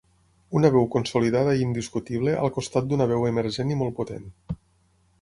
Una veu consolidada i indiscutible al costat d’una veu emergent i molt potent.